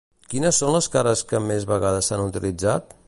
Quines són les cares que més vegades s'han utilitzat?